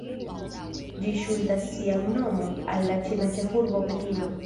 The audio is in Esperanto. Ĝi ŝuldas sian nomon al la ĉina ĉefurbo Pekino.